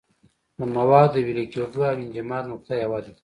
د موادو د ویلې کېدو او انجماد نقطه یوه ده.